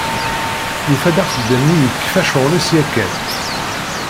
Yufa-d axeddam-nni yekfa ccɣel-is yakan.